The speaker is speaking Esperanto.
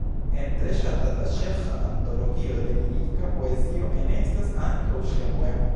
En tre ŝatata ĉeĥa antologio de lirika poezio enestas ankaŭ ŝia poemo.